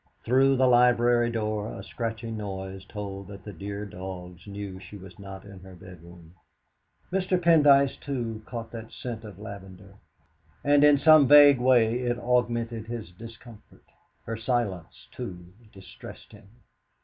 Through the library door a scratching noise told that the dear dogs knew she was not in her bedroom. Mr. Pendyce, too, caught that scent of lavender, and in some vague way it augmented his discomfort. Her silence, too, distressed him.